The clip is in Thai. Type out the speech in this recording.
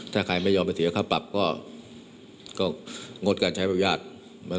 ถ้ายังไม่ยอมเสียค่าปรับก็งดการใช้ประวัติภาพยาบาล